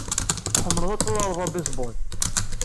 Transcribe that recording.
Tḥemmleḍ ad turareḍ abaseball.